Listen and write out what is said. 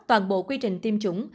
toàn bộ quy trình tiêm chủng